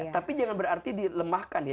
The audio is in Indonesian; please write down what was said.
tapi jangan berarti dilemahkan ya